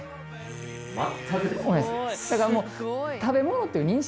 だからもう。